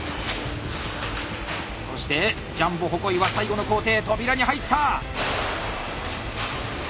そしてジャンボ鉾井は最後の工程扉に入った！